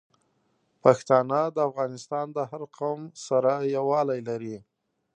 پښتانه د افغانستان د هر قوم سره یوالی لري.